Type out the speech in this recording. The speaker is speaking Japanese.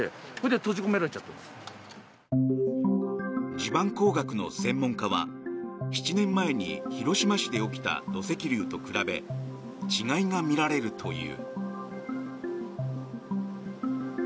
地盤工学の専門家は７年前に広島市で起きた土石流と比べ違いが見られるという。